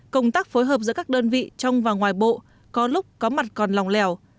công tác phối hợp giữa các đơn vị trong và ngoài bộ có lúc có mặt còn lòng lẻo